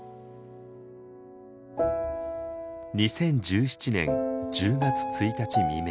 ２０１７年１０月１日未明。